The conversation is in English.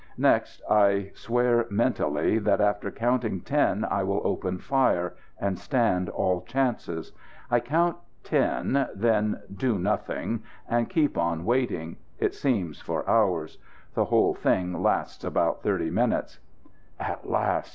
Next I swear mentally that after counting ten I will open fire and stand all chances. I count ten; then do nothing, and keep on waiting it seems for hours. The whole thing lasts about thirty minutes. At last!